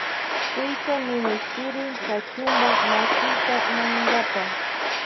Cuyta minishtirin Kachunpa makita mañankapa.